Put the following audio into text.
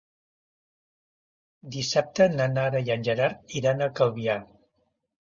Dissabte na Nara i en Gerard iran a Calvià.